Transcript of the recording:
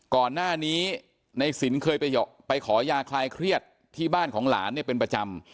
ก่อนหน้านี้ในสินเคยไปขอยาคลายเครียดที่บ้านของหลานเนี่ยเป็นประจำ